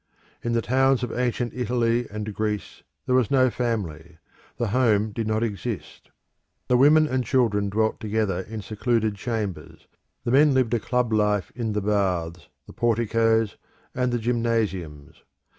In the towns of ancient Italy and Greece there was no family: the home did not exist. The women and children dwelt together in secluded chambers: the men lived a club life in the baths, the porticoes, and the gymnasiums.